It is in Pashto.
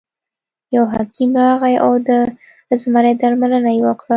یو حکیم راغی او د زمري درملنه یې وکړه.